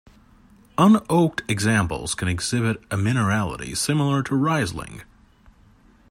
Unoaked examples can exhibit a minerality similar to Riesling.